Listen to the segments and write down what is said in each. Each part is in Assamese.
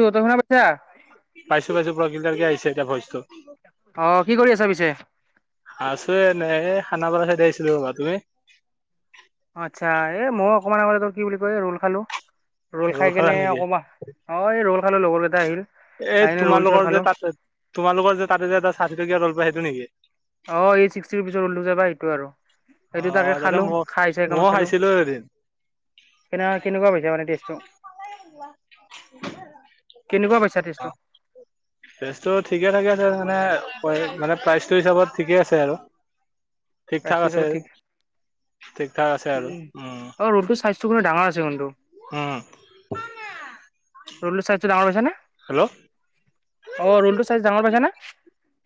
তই শুনা পাইছা পাইছো পোৰা ক্লিয়াৰকে আহিছে এতিয়া ভইচটো। অ কি কৰি আছা পিছে আছেনে? খানা পৰা চাইদে আহিছিলো ৰ, তুমি? আচ্ছা এই মই অকমান আগ তোৰ কি বুলি কয় ৰোল খালো। ৰল খাই খালা কেনে নেকি অকমান, অ এই ৰল খালো লগৰ কেইটা আহিল। এই আহি কিনে ৰোল চোল তোমালোকৰ খালো যে তাতে তোমালোকৰ যে তাতে যে এ ষাঠি টকীয়া ৰোল পাই সেইটো নেকি? অ এই ছিক্টিৰ ৰুপ্পিছৰ ৰলটো যে পাই এইটো আৰু। অ সেইটো তাকে দাদা খালো মই খাই চাই অকমান ময় চালো খাইছিলো এদিন। [inaudible] কেনে কেনেকুৱা পাইছা মানে টেষ্টটো কেনেকুৱা পাইছা অ টেষ্টটো? টেষ্টটো ঠিকে থাকে আছে মানে মানে প্ৰাইচটো হিচাপত ঠিকে আছে আৰু। ঠিক ঠাক প্ৰাইচটো আছে চবে ঠিক ঠিক ঠাক আছে আৰু উম। অ [unintelligible] ডাঙৰ আছে কিন্তূ উম [unintelligible] ৰলটো ছাইজটো দাঙৰ হৈছেনে? হেল্ল' অ ৰোল টো চাইজ ডাঙৰ পাইছ না?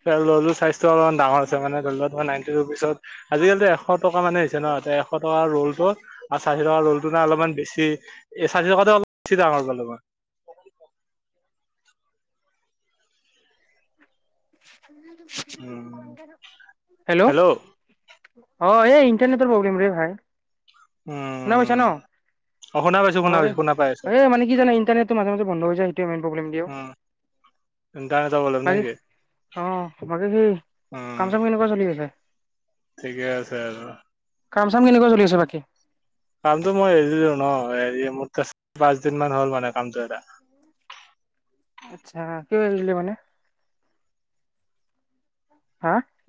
ৰোলটোৰ ছাইজটো অলপমান ডাঙৰ আছে মানে ধৰি লোৱা নাইনটি ৰুপিচত আজিকালিটো এশ টকা মানে হৈছে ন? তাতে এশ টকাৰ ৰ'ল টো আৰু চাৰিশ ট ৰল টো নে অলপমান বেছি এ চাৰিশ টকা অলপ বেছি ডাঙৰ গ'ল। ব [inaudible] উম হেল্ল'। অ এই ইণ্টাৰনেটৰ প্ৰব্লেম ৰে ভাই। শুনা পইছা উম ন? অ শুনা পাইছো শুনা অ পাইছো শুনা পাই আছো মানে কি জানে ইণ্টাৰনেটটো মাজে মাজে বন্ধ হৈ যায়। এইটোৱে মেইন প্ৰব্লেম দিয়ে ঔ। উম [unintelligible] অ বাকী স উম কাম চাম কেনেকুৱা চলি আছে ঠিকে আছে আৰু। কাম চাম কেনেকুৱা [unintelligible] কামটো মই এৰি দিলো ন হেৰি। ম চ পাঁচ দিন মান হ'ল মানে কামটো এৰা। আচ্ছা কিয় এৰি দিলি মানে।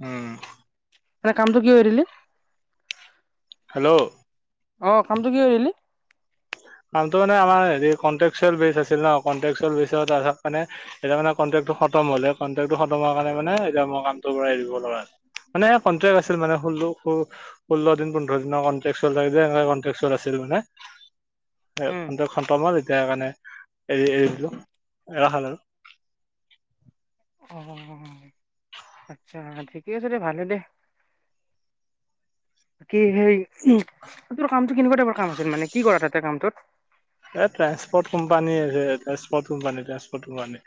উম। এ কামটো কিয় এৰিলি হেল্ল' অ কামটো কিয় এৰিলি [unintelligible] কামটো মানে আমাৰ হেৰি কনটেক্টচুয়েল বেছ আচিল ন কনটেক্টচুয়েল বেছত তাৰ মানে, এতিয়া মানে খতম হলে কণ্টেক্টটো খতম হোৱা কাৰণে মানে এতিয়া মই কামটো পৰা এৰিব লগা মানে কটেক্ট আছিল মানে ষোল্ল -ষোল্ল দিন পোন্ধৰ দিনৰ কট্ৰেক টাইপ যে সেনেকে কনটেক্টচুয়েল আছিল ন [unintelligible] উম কন্ট্ৰেক্ট খতম হল এতিয়া সেইকাৰণে এৰি এৰি দিলো এৰা খাল আৰু। অ আচ্ছা ঠিকেই আছে দে ভালো দে। হয় কি সেই তোৰ কামটো কেনেকুৱা কাম আছিল মানে। কি কৰা তাতে কামটোত? এ ট্ৰানসপৰ্ট কোম্পানী যে ট্ৰানসপৰ্ট কোম্পানীৰ ফটো পানি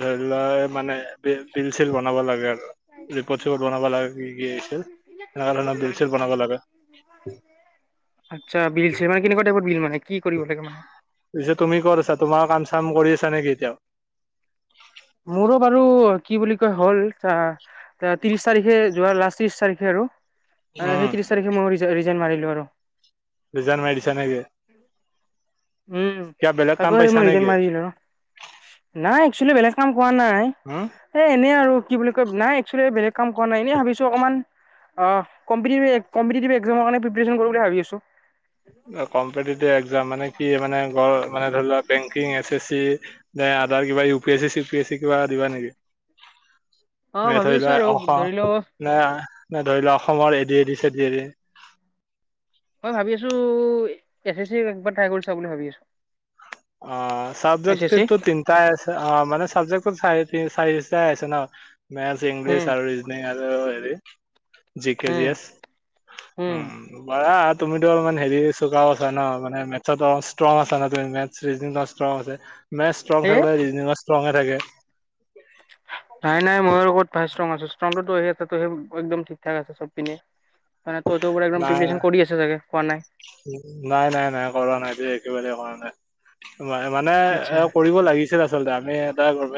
ধৰি লোৱা মানে বিল চিল বনাব লাগে আৰু ৰিপদ চিপদ বনাব লাগে কি কি আহিছিল এনেকোৱা ধৰণৰ বিল চিল বনাব লাগে হয়। আচ্ছা বিল চিল মানে কেনেকুৱা টাইপৰ বিল মানে কি কৰিব লাগে। মানে পিছে তুমি কত আছা তোমাৰ কাম চাম কৰি আছা নেকি এতিয়াও। মোৰো বাৰু কি বুলি কয় হ'ল। ত্ৰিশ তাৰিখে যোৱাৰ লাষ্ট ত্ৰিশ তাৰিখে আৰু উম, সেই ত্ৰিশ তাৰিখে মই ৰিজাইন মাৰিলো আৰু ৰীজাইন মাৰি দিচা নিকি। উ আকৌ সেই মই ৰিজাইন নেকি? মৰিলোঁ। নাই একচুৱেলি কোৱা নাই উম, এ এনেই আৰু কি বুলি কয় নাই একচেলি বেলেগ কাম কৰা নাই এনেই ভাবিছো অকমান। অঁ কম্পিতিভি কম্পিতিতিভি একযাম কাৰণে প্ৰিপাৰেচন কৰোগে ভাবি আছো। কম্পিটিটিভ একজাম মানে কি মানে গ মানে ধৰি লোৱা। Banking S A C other কিবা U P S C C P এি কিবা দিবা নেকি? অ ম ভাবি ধৰি আছো লোৱা আৰু অ ধৰি লও নাই। ন ধৰি লোৱা অসমৰ এদি এড চড এদি মই ভাবি আছো এছ এছ চি একবাৰ ট্ৰাই কৰিছা বুলি ভাবি আছো। অ এছ এছ চি চাবজেক্টিটো তিনিটাই আছে অ মানে চাবজেক্ট। চ চাই চাই আছে ন মেথছ ইংলিছ উম আৰু ৰিজনং আৰু হেৰি। G K G G um S um তুমিতো মানে হেৰি চোকাওছা ন মান মেথছত অ ষ্ট্ৰং আছ না তুমি মে। ৰিজনং ষ্ট্ৰং আছে মেথ ষ্ট্ৰং এ থাকিলে ৰিজনিং ষ্ট্ৰংএ থাকে নাই নাই মইো ক'ত পাইছো‌। ষ্ট্ৰ আছে ষ্ট্ৰং আছে একদম ঠিক ঠাক আছে সব পিননে। মানে ত'তোও পৰা একদম নাই প্ৰিপেশন কৰি আছে চাগে কোৱা নাই। নাই নাই নাই কৰা নাই যে একেবাৰে কৰা নাই। মানে আচ্ছা এ কৰিব লাগিছে। আচলতে আমি এটাৰ কাৰে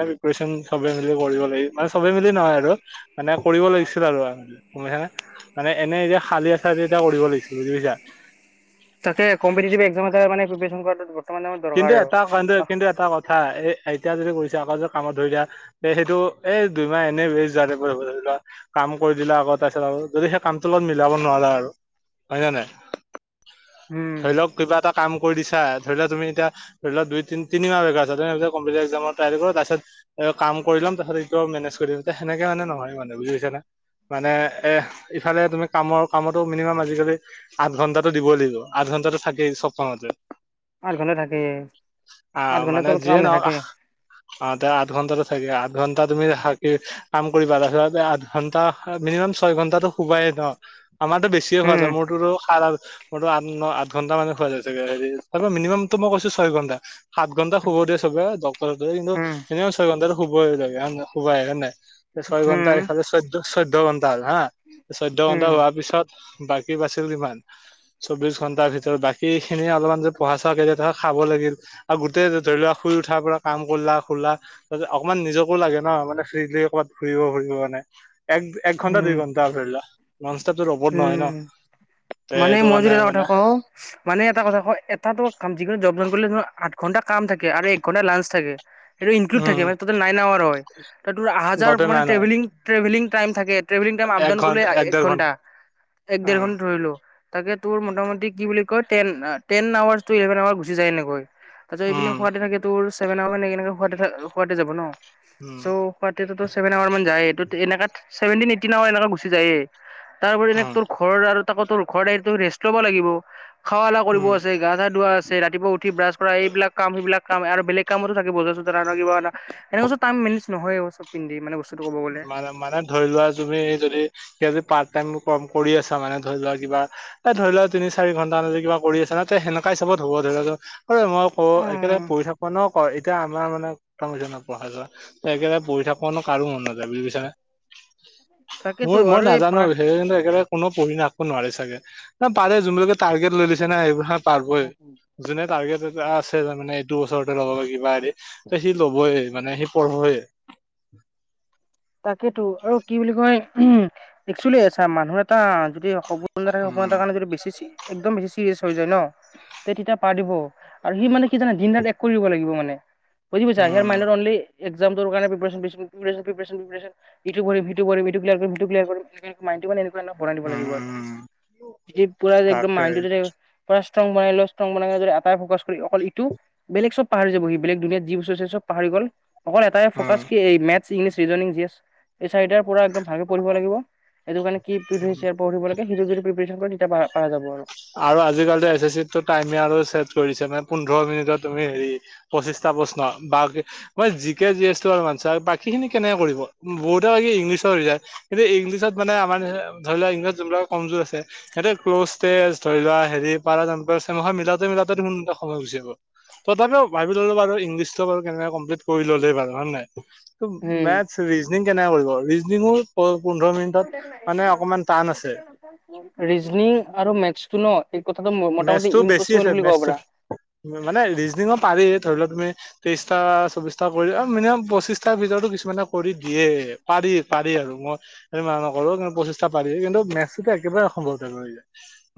মে প্ৰপন চবে মি কৰিব লাগিব মানে চবে মিলি নহয় আৰু মানে কৰিব লাগিছিল আৰু গুাইছানে মানে এনে এতিয়া খালি আ চাৰি এতিয়া কৰিব লাগিছিল। বুজি পাইছা। তাক কম্পিটিটিভ একজাম এটা মানে প্ৰিপেচন কৰাতো। কিন্তু এটা কিন্তু এটা কথা এ এতিয়া যদি কৈছে। আগ যে কামত ধৰি দিয়া তে সেইটো এ দুইমাহ এনেই ৱেষ্ট যোৱা ধৰি লোৱা কাম কৰি দিলা আক আৰু যদি সেই কামটো লগত মিলাব নোৱাৰা আৰু হয় নে নাই। উম ধৰি লওক কিবা এটা কাম কৰি দিছা ধৰি লোৱা তুমি। এতিয়া ধৰি লোৱা দুই তি তিনিমাহ বোৰ আছে তাৰপিছত কম্পিউটাৰ একজামত চাই দিব তাছত। কাম কৰি ল'ম তাৰছত এইটো মেনেজ কৰিম তে সেনেকে মানে নহয় মানে বুজিছা না মানে। এ ইফালে তুমি কামৰ কামতো মিনিমাম আজিকালি আঠ ঘণ্টাটো দিবই লাগিব আঠ ঘণ্টাটো থাকেই। চব কামতে আৰু ঘাল। আহ মানে কাম যিয়ে নহক নাথাকে আ আঠ ঘন্টাতে থাকে আঠ ঘন্টা। তুমি ৰাখা কি কাম কৰিবা আঠ ঘন্টা মিনিমাম ছয় ঘন্টাটো শুবাই ন। আমাৰতো বেছিয়ে হোৱা যায় উম মোৰতো সা মোৰো আঠ ন আঠ ঘণ্টা মানে শুৱা যায় চাগে হে মিনিমাম। তো মই কৈছো ছয় ঘন্টা সাত ঘন্টা শুব দিয়ে চবে দ কিন্তু উম এনেই ছয় ঘন্টাতো। শুবই হৈ লে শুবই হয় নাই ছয় ঘন্টা উম এইফালে চৈধ চৈধ্য ঘন্টা হল' হা। চৈধ্য ঘন্টা উম হোৱাৰ পিছত। বাকী বাছিল কিমান চৌবিশ ঘন্টাৰ ভিতৰত বাকী খিনিয়ে অলপমান যে পঢ়া চঢ়া কে যে ধ খাব লাগিল আৰু গোটেই ধৰি লোৱা শুই উঠাৰ পৰা কাম কৰলা শুলা। অকণমান নিজকো লাগে ন মানে ফ্ৰীলি ক'ৰবাত ফুৰিব ফুৰিব মানে এক এক ঘণ্টা দুই উম ঘণ্টা আ ধৰি লোৱা। নন ষ্টপটো ৰ'বত নহয় ন উম তে মানে সেইটো মই যোৰ কাৰণে এটা কথা মানে কওঁ মানে এটা কথা কও এটাতো। কাম যিকোনো জব জইন কৰিলে আঠ ঘণ্টা কাম থাকে আৰু এক ঘণ্টা লাঞ্চ থাকে। সেইটো ইনক্লুড থাকে উম মানে তাতে নাইন আৱাৰ হয় তাত অহা যোৱাৰ দতে মানে নাই ন ট্ৰেভেলিং ট্ৰেভেলিং টাইম থাকে। ট্ৰেভেলিং টাইম এক আপডাউন কৰিলে ঘন্টা এক ডেৰ ঘণ্টা ঘন্টা এক ডেৰ উম ঘণ্টা ধৰিলো। তাকে তোৰ মোটামুট কি বুলি কয় টেন আৱাৰচটো ইলেভেন আৱাৰ গুচি যায় এনেকৈ। তাৰপিত এইপিনি উম শুৱাতে থাকে তোৰ ছেভেন আৱাৰ নেকি শুৱাতে যাব ন। উম চ' পতিটো ত। ছেভেন আৱাৰ মান যায়ে ত এনেকাত চেভেনটিন এইটিমান এনেকোৱা গুচি যায়ে তাৰ উপৰি এনে উম তোৰ ঘৰ আৰু। তাৰপা তোৰ ওখ দেহটো ৰেষ্ট ল'ব লাগিব খা লোৱা কৰিব উম আছে গা চা ধুৱা আছে ৰাতিপুৱা উঠ। উঠি ব্ৰাছ কৰা এইবিলাক কাম স বিলাক। কাম আৰু বেলেগ কামোতো থাকিব বজাৰ চজাৰ অনা কিবা অনা এনেকেছো টাইম মেনেজ নহয়ে অ চব পিনেদি মানে ও। মানে মানে ধৰি লোৱা তুমি যদি এতিয়া যদি পাত। টাইম কাম কৰি আছা মানে ধৰি লোৱা কিবা ধৰি লোৱা তিনি চাৰি ঘণ্টা দি কিবা কৰি আছা ত সেনেকা হিচাবত। হ'ব ধৰি মই ক অ একে লগে পঢ় থাক ন ক এতিয়া আমাৰ মানে কি পঢ়া যোৱা। তে পঢ়ি থাকবনো কাৰো মনতায়। বি তাকেতো মোৰ মই আৰু এই নাজানো পাৰ সেই কিন্তু। কোনো পঢ়ি ন আকৌ নোৱাৰে চাগে ন পাৰে যোনবিলাকে। টাৰ্গেট লৈ লৈছে না এইবোৰ পাৰই যোনে টাৰ্গেট। আছে তাৰমমানে এইটো ওছৰতে ল'ব কিবা হেৰি ত সি ল'বই। মানে সি পঢ়ে। তাকেইেতো আৰু কি বুলি কয় উ একচেলি চা মানুহ এটা যদি। ন উম কাৰণে যদি বেছি একদম বেচি চিৰিয়েছ। হৈ যায় ন তে তেতিয়া পাৰিব আৰু সি মানে কি জানা দিন ৰাত এক কৰিব লাগিব মানে। বুজি পাইছা ইয়াৰ উম মাইণ্ডত আনলি একজামটোৰ কাৰণে প্ৰিপেয়াৰচন বেছি। ইটো কৰিম সিটো কৰিম এইটো মাইণ্ডটো মানে। বনাই দিব উম লাগিব উম আৰু পুৰা একদম তাকে মাইণ্ডটো যাতে। ষ্ট্ৰং বনাই ল ষ্ট্ৰং বনাই যদি এটাই ফ'কাচ কৰি অকল এইটো বেলেগ চব পাহৰি যাবহি বেলেগ দুনীয়াত যি বস্তু আছে চব পাহৰি গ'ল। অকল এটাই উম ফ'কাচ কি এই মেথছ ইংলিছ ৰিজনং যি আছে। এই চাৰিটাৰ পৰা একদম ভালকে পঢ়িব লাগিব সেইটো কাৰণে কি প্ৰিভিয়েচ ইয়েৰ পঢ়িব লাগে সেইটো যদি প্ৰিপেচন কৰে তেতিয়া। পৰা যাব আৰু আৰু আজি কালি এছ এছ চিত টো টাইমে আৰু ছেট কৰিছে নে। পোন্ধৰ মিনিটত তুমি হেৰি পঁচিশটা প্ৰশ্ন বা মই জিকে জি এছো আৰু মানছে বাকী। সেই খিনি কেনেকে কৰিব বহুতে কয় কি ইংলিছৰ ৰিজাল্ট কিন্তু ইংলিছত মানে আমাৰ ধৰি লোৱা ইংলিছত যোনবিলাক। কমজোৰ আছে সিহঁতে ক্ৰ'জ। তেজ ধৰি লোৱা হেৰি পাৰা মিলাওঁতে মিলাওতে এটা সময় গুচি যাব তথাপিও ভাবিলো। বুলো বাৰু ইংলিছতো ভালকেনে কম্লিট কৰি ললে বাৰু হয় নে নাই? ত উম মেথছ, ৰিজনিং কেনেকে কৰিব, ৰিজনঙৰ আছে ৰিজনিং আৰু মেথছটো ন। এই কথাটো মোটামুটি মেথছটো বেছি ইম্পচিবল আছে বুলি ক'ব মেথছ পাৰা। মানে ৰিজনিঙো পাৰি ধৰি লোৱা তুমি তেইশটা চৌবিশটা কৰি মিনিমাম পঁচিশটাৰ ভিতৰতো কিছুমানে কৰি দিয়ে পাৰি পাৰি। মই মা নকৰো পঁচিশটা পাৰি কিন্তু মেথছো একেবাৰে অসম্ভৱ হৈ যায়।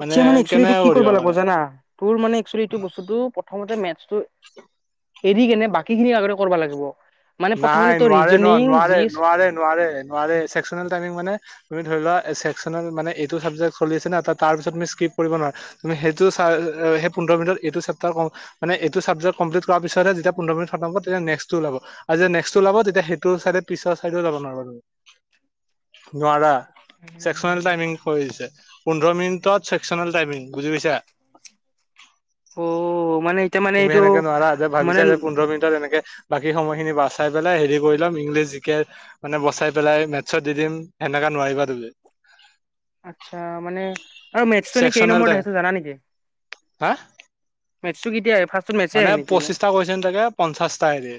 মানে কেনে হ। বুজিব লাগিব যানা তোৰ মানে একচলি টো বস্তোটো প্ৰথমতে মেছতো। [unintelligible] এৰি কিনে বাকী খিনি আগতে কৰিব লাগিব। মানে নাই প্ৰথমতে তোৰ নোৱাৰে নোৱাৰ ৰিজনিং নোৱাৰে যি নোৱাৰে নোৱাৰে নোৱাৰে চছেকচনেল টাইমিং মানে তুমি ধৰি লোৱা। চেকচনেল‌ মানে এইটো চাবজেক চলি আছে না ত‌ তাৰ পিছত মিচকিপ কৰিব নোৱাৰে তুমি সেইটো চাই। পোন্ধৰ মিনট এইটো চেপতাৰ মানে এইটো চাবজেক কম্পলিট কৰা পিছতহে যেতিয়া পোন্ধৰ মিনট শতম হ'ব তেতিয়া নেক্সটো ওলাব। আৰু যেতিয়া নেক্সট টো ওলাব তেতিয়া সেইটো চাইডে পিছৰ চাইডেও যাব নোৱাৰাৰু নোৱাৰা। ছেকচনেল টাইমিং কৰি দিছে। পোন্ধৰ মিনিটত চছেকচনেল টাইমিং বুজি পাইছা। উম। তুমি সেনেকে নোৱাৰা যে ভাবিছা যে পোন্ধৰ মিনিটত এনেকে বাকী সময়খিনি বচাই পেলাই হেৰি কৰি ল'ম ইংলিছ জিকে মানে বচাই পেলাই মেথছত দি দিম সেনেকা নোৱাৰিবা দিলে। আচ্ছা মানে আৰু মেথছটো এনেই কেই চেকচনেল নম্বৰত টাইপ আহিছে জানা নেকি? হা মেটছু কেতিয়া এই ফা মানে পঁচিশটা কোৱেশ্বন থাকে পঞ্চাশটা হেৰি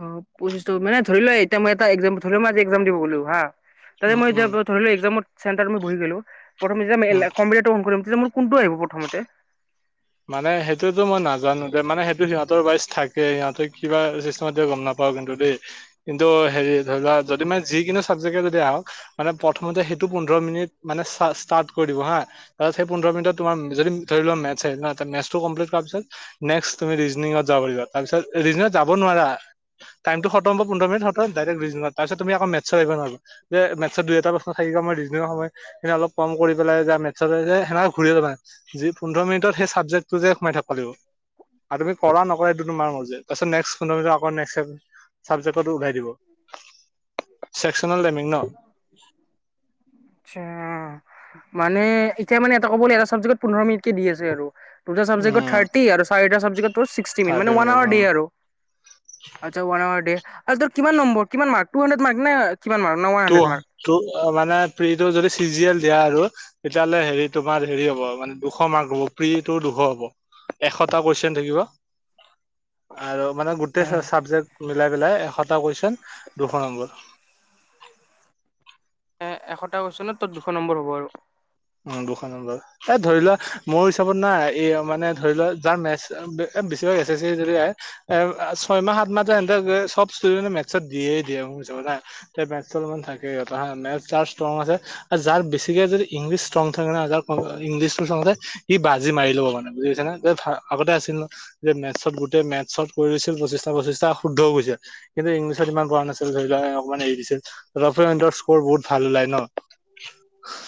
অ পঢ়িছো মানে ধৰি লোৱা এতিয়া মই এটা একজাম ধৰি লোৱা মই আজি একজাম দিব গলো হা তাতে উম মই উম এতিয়া পৰা ধৰি লোৱা একজামত চেণ্টাৰত মই বহি গলো, প্ৰথম যেতিয়া উম এলেপ কম্পিউটাৰটো কৰিম তেতিয়া মোৰ কোনটো আহিব প্ৰথমতে? মানে সেইটোতো মই নাজানো যে মানে সেই কি সিহতৰ বাইজ থাকে, সিহঁতে কিবা চিষ্টম গম নাপাও কিন্তু দেই কিন্তু হেৰি ধৰি লোৱা যদি মানে যিকোনো চাবজেকে যদি আহক মানে প্ৰথমতে সেইটো পোন্ধৰ মিনিট মানে চাচ তাত কৰিব হা, তাৰপিছত সেই পোন্ধৰ মিনিটত তোমাৰ যদি ধৰি লোৱা মেতচ আহিল ‌ন তা মেতছটো কম্প্লিত কৰাৰ পিছত নেক্স তুমি ৰিজনিঙত যাব পাৰিবা তাৰপিছত ৰিজনত যাব নোৱাৰা। টাইমটো খতম হব পোন্ধৰ মিনিট হ'ব ডাইৰেক ৰিজনিংত, তাৰপিছত তুমি আকৌ মেতচত আহিব নোৱাৰ যে মেতচৰ দুই এটা এটা প্ৰশ্ন ৰিজনিংৰ সময় সেয়া অলপ কম কৰি পেলাই যা মেতচত সেনেক ঘূৰি লবা। যি পোন্ধৰ মিনিটত সেই চাব টোযে সোমাই থাকিব লাগিব আৰু তুমি কৰা নকৰা এইটো তোমাৰ মৰ্জি তাৰপিছত নেক্সট পোন্ধৰ মিনিটৰ পাছত নেক্স আহি চাবজেকতো ওলাই দিব চেকচনেল টাইমিং ন। আচ্ছা। মানে এতিয়া মানে এটা ক'বলৈ এটা চাবজেক্টত পোন্ধৰ মিনিট কে দি আছে আৰু। দুটা চাবজেক্টৰ উম থাৰ্টি আৰু চাৰিটা চাবজেক্টত টু চিস্কটি মিনিট মানে থাৰ্টি ওৱান আৱাৰ উম দিয়ে আৰু। আচ্ছা ৱান আৱাৰ দিয়ে, আচ্ছা কিমান নম্বৰ কিমান মাৰ্ক টু হাড্ৰেড মাৰ্ক নে কিমান মাৰ্ক নে one two hundred mark two মানে প্ৰিটো যদি চিজিয়েল দিয়া আৰু তেতিয়াহলে হেৰি তোমাৰ হেৰি হ'ব মানে দুশ মাৰ্ক হব প্ৰিটো দুশ হ'ব। এশটা কোৱেশ্বন থাকিব আৰু মানে গোটেই চা চাবজেক্ট মিলাই পেলাই এশটা কুৱেচন দুশ নম্বৰ। এ এশটা কোৱেচনত ত দুশ নম্বৰ হ'ব আৰু। উম দুশ নম্বৰ, এ ধৰি লোৱা মোৰ হিচাপত নাই এ মানে ধৰি লোৱা যাৰ মেচ এ বেছিভাগ এছ এছ চি যদি আহে ছয় মাহ সাত মাহে যে চব [inaudible] ইচতোদেনে চব দিয়ে দিয়ে [unintelligible] তে মেথচৰ অলপমান থাকে বা মেথচ তাৰ ষ্ট্ৰং আছে আৰু যাৰ বেছিকে যদি ইংলিছ ষ্ট্ৰঙ থাকে নে [unintelligible] ইংলিছটো চাওঁতে সি বাজি মাৰি ল'ব মানে, বুজি পাইছা না? যে ভা- আগতে আ ছিল ন' যে মেথছত গোটে মেথছত কৰি লৈছিল। পঁচিছটা - পঁচিছটা শুদ্ধও গৈছে। কিন্তু ইংলিছত ইমান কৰা না নাছিল ধৰি লোৱা, এ অকমান এৰি দিছিল। ৰফেৰ স্কৰ বহুত ভাল ওলায় ন'?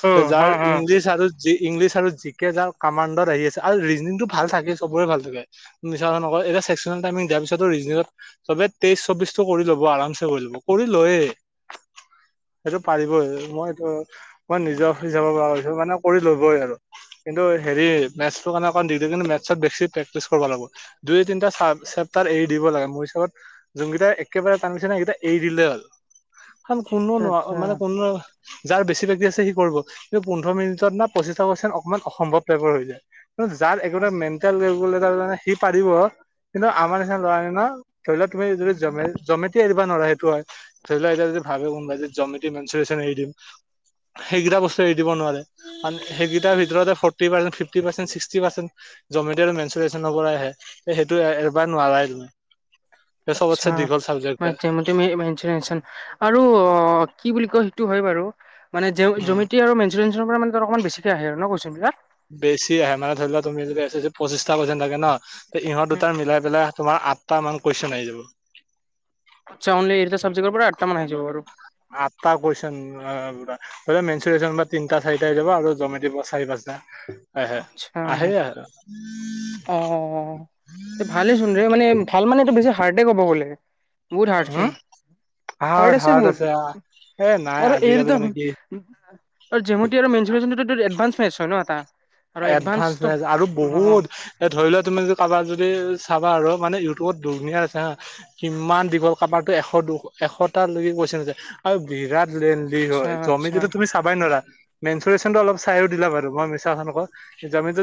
অ যাৰ হা হা ইংলিছ আৰু যি ইংলিছ আৰু জিকে যাও কামাণ্ডত আহি আছে। আৰু ৰিজনিংটো ভাল থাকে, চবৰে ভাল থাকে, মিছা কথা নকয়। এতিয়া ছে ইমান টাইমিং দিয়াৰ পিছতো ৰিজনিঙত চব তেইশ- চৌবিশটো কৰি ল'ব আৰামছে কৰি ল'ব কৰি লয়েই। সেইটো পাৰিবই মই এইটো মই নিজৰ হিচাবৰ পৰা মানে কৰি ল'বই আৰু কিন্তু হেৰি মেথছৰ কাৰণে অকমান দিজিতেন কিন্তু মেথছত বেছি প্ৰেক্টিছ কৰিব লাগিব, দুই তিনটা এ চেষ্টাৰ এৰি দিব লাগে মোৰ হিচাপত যোন কেইটা একেবাৰে তান পিছত আহিছে [inaudible] একেইটা এৰি দিলেই হ'ল কাৰ কোনো আচ্ছা নোৱাৰ আচ্ছা মানে কোনো যাৰ বেছি বাকি আছে সি কৰিব কিন্তু পোন্ধৰ মিনিটত ন পঁচিছটা কোৱেচন অকমান অসম্ভৱ টাইপৰ হৈ যায়। যাৰ একোটা মেণ্টেল [inaudible] সি পাৰিব কিন্তু আমাৰ নিচনা ল'ৰাই ন ধৰি লোৱা তুমি যদি জমে জমেটি এৰিব নোৱাৰা সে টয়, ধৰি ললে এতিয়া যদি ভাবে কোনবাই যে জমিতে মেঞ্চু্যন [inaudible] এৰি দিম সেইকেইটা বস্তু এৰি দিব নোৱাৰে। আন সেইকেইটাৰ ভিতৰতে forty percent, fifty percent, sixty percent geometry আৰু মেনচোৰেচনৰ পৰা আহে। সেইটো এ এবাৰ নোৱাৰাই তুমি। চবতছে আচ্ছা দীঘল চাবজেক্ট হয়। মান [unintelligible] আৰু অ কি বুলি কয় সেইটো হয় বাৰু মানে উম। জ্যামিতি আৰু মেনচোৰেনচৰ পৰা মানে ত অকমান বেছিকে আহে আৰু ন কুৱেচনবিলাক? বেছি আহে মানে ধৰি লোৱা, তুমি যদি এছ এছ চিত পঁচিশটা কইশ্যন থাকে ন'। তো ইহঁত উম, দুটা মিলাই পেলাই তোমাৰ আঠটামান কইশ্যন আহি যাব। আচ্ছা, অনলি এই দুটা ছাবজেকৰ পৰা আঠটা মান আহি যাব বাৰু। আঠটা কোৱেছন অ'- পুৰা। মেচুৰেচন বা তিনটা চাৰিটা হৈ যাব আৰু জমেতি বজ চাৰি - পাঁচ জা আহে। আচ্ছা আহেয়ে আৰু। অ' - অ' - অ'। ভালে চোন ৰে মানে, ভাল মানে এটো বেছি হাৰ্ডে কব গ'লে। বহুত হম হাৰ্ডচোন। হাৰ্ড আছে বহুত- এ নাই আৰু এই আজিকালি দুটা মানে কি আৰু জ্যামেতি আৰু মেনচুৰেছনটো তোৰ এডভান্স মেত্ছ হয় ন' এটা। আৰু এডভান্স এডভান্সটো মেত্চ, আৰু অ বহুত। এতিয়া ধৰি লোৱা, তুমি যদি কাৰোবাৰ যদি চাবা আৰু মানে ইউটিউবত দুুনীয়া আছে হা। কিমান দীঘল, কাবাৰটো এশ, দুশ- এশটালৈকে কোৱেশ্যন আছে। আৰু বিৰাট লেনলি আচ্ছা হয়। জ্যোমিতিটো আচ্ছা তুমি চাবাই ন'ৰা। মেনঞ্চুৰেশ্যনটো অলপ চাইয়ো দিলা বাৰু। মই মিছা কথা নকওঁ। জ্যামিতি